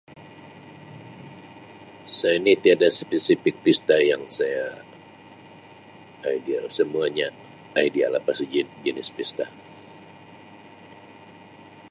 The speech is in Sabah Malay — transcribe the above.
Saya ni tiada spesifik pesta yang saya ideal semuanya ideal, apa saja jenis pesta.